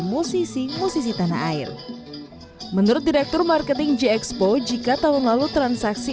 musisi musisi tanah air menurut direktur marketing g expo jika tahun lalu transaksi